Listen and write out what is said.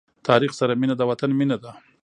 تاریخ سره مینه د وطن مینه ده.